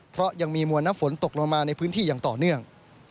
เพราะยังมีมวลน้ำฝนตกลงมาในพื้นที่อย่างต่อเนื่อง